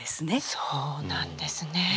そうなんですね。